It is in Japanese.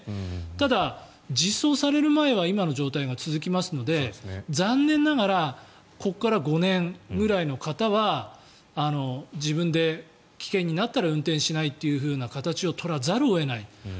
ただ、実装される前は今の状態が続きますので残念ながらここから５年ぐらいの方は自分で、危険になったら運転しないという形を取らざるを得ない。